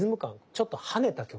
ちょっと跳ねた曲。